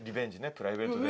プライベートで？